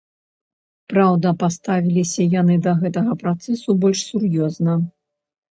Праўда паставіліся яны да гэтага працэсу больш сур'ёзна.